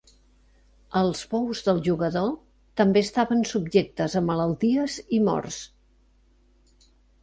Els bous del jugador també estaven subjectes a malalties i morts.